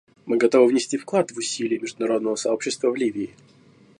Мы готовы внести вклад в усилия международного сообщества в Ливии.